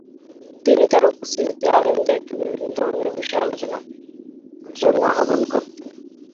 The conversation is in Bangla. তিনি তার উপস্থিতিতে আলেমদেরকে বিভিন্ন ধর্মীয় বিষয়ে আলোচনার জন্য আহ্বান করতেন।